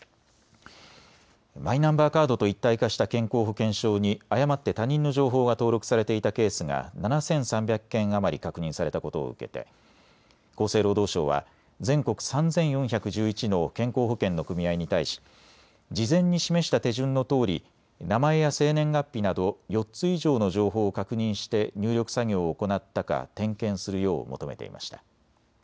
マイナンバーカードと一体化した健康保険証に誤って他人の情報が登録されていたケースが７３００件余り確認されたことを受けて厚生労働省は全国３４１１の健康保険の組合に対し事前に示した手順のとおり名前や生年月日など４つ以上の情報を確認して入力作業を行なったか点検するよう求めていました。